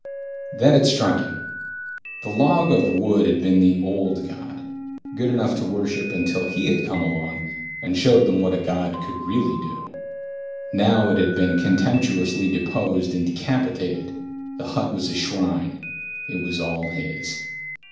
It struck him then. The log of wood had been the old god, good enough to worship until he had come along and shown them what a god could really do. Now it had been contemptuously deposed and decapitated. The hut was a shrine. It was all his.